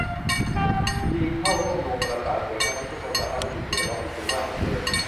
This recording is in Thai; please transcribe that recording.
ลีนเข้าร่วมวงประสานเสียง ทำให้ทุกคนสามารถได้ยินเสียงร้องที่สูงมากของเธอ